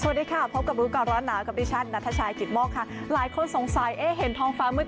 สวัสดีค่ะพบกับรู้ก่อนร้อนหนาวกับดิฉันนัทชายกิตโมกค่ะหลายคนสงสัยเอ๊ะเห็นท้องฟ้ามืด